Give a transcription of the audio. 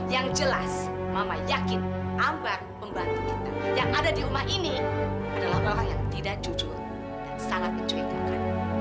yang jelas mama yakin ambar pembantu kita yang ada di rumah ini adalah orang yang tidak jujur dan sangat mencurigakan